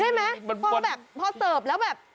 ใช่ไหมเพราะว่าแบบพอเสิร์ฟแล้วแบบ